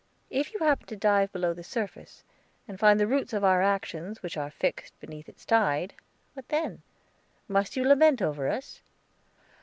"If you happen to dive below the surface, and find the roots of our actions which are fixed beneath its tide what then? Must you lament over us?"